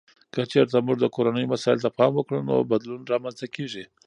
که چیرته موږ د کورنیو مسایلو ته پام وکړو، نو بدلون رامنځته کیږي.